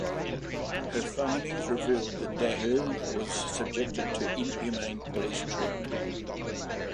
Her findings revealed that Dhu was subjected to inhumane police treatment.